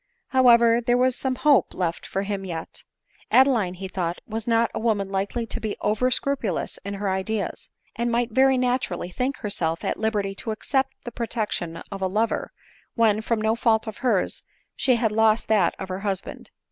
However, there was some hope left for him yet. Ad eline, he thought, was not a woman likely to be over scrupulous in her ideas ; and might very naturally think herself at liberty to accept the protection of a lover, when, from no fault of hers, she had lost that of her husband.